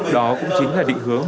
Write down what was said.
đó cũng chính là định hướng